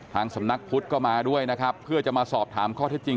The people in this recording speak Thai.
สำนักพุทธก็มาด้วยนะครับเพื่อจะมาสอบถามข้อเท็จจริง